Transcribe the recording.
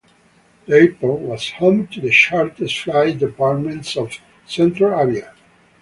The airport was home to the charter flights department of Centre-Avia.